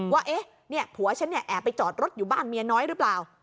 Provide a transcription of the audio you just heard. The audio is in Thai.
ว่าเอ๊ะเนี่ยผัวฉันเนี่ยแอบไปจอดรถอยู่บ้านเมียน้อยหรือเปล่า